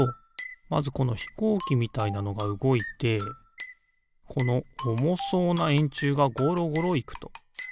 まずこのひこうきみたいなのがうごいてこのおもそうなえんちゅうがごろごろいくと。